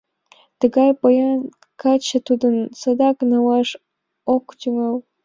Тыгай поян каче тудым садак налаш ок тӱҥал.